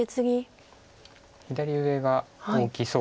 左上が大きそうです。